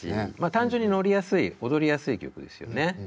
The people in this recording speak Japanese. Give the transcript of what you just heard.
単純に乗りやすい踊りやすい曲ですよね。